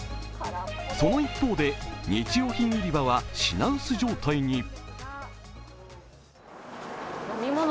その一方で、日用品売り場は品薄状態に。